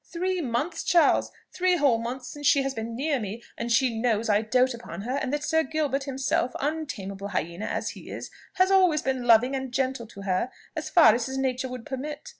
Three months, Charles, three whole months since she has been near me and she knows I dote upon her, and that Sir Gilbert himself, untameable hyena as he is, has always been loving and gentle to her, as far as his nature would permit.